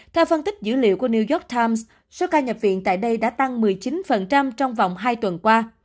theo phân tích dữ liệu của new york times số ca nhập viện tại đây đã tăng một mươi chín trong vòng hai tuần qua